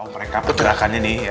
kau mereka pergerakannya nih ya